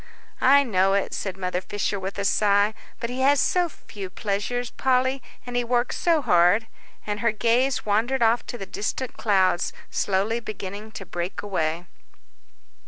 "I know it," said Mother Fisher, with a sigh, "but he has so few pleasures, Polly, and he works so hard." And her gaze wandered off to the distant clouds, slowly beginning to break away.